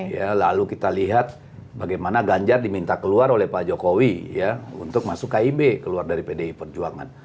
ya lalu kita lihat bagaimana ganjar diminta keluar oleh pak jokowi ya untuk masuk kib keluar dari pdi perjuangan